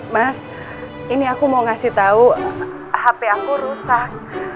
mas ini aku mau ngasih tahu hp aku rusak